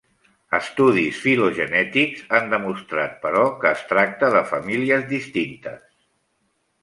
Estudis filogenètics han demostrat però que es tracta de famílies distintes.